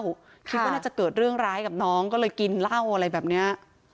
คิดว่าน่าจะเกิดเรื่องร้ายกับน้องก็เลยกินเหล้าอะไรแบบนี้